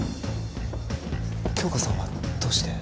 杏花さんはどうして？